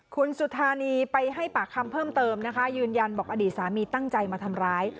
คุณสุธานีไปให้ปากคำเพิ่มเติมนะคะยืนยันบอกอดีตสามีตั้งใจมาทำร้าย